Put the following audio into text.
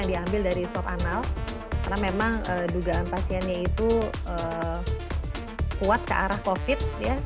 diambil dari swab anal karena memang dugaan pasiennya itu kuat ke arah covid